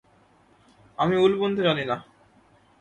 আমি উল বুনতে জানি না।